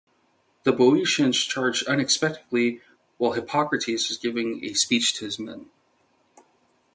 The Boeotians charged unexpectedly while Hippocrates was giving a speech to his men.